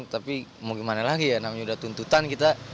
tapi mau gimana lagi ya namanya udah tuntutan kita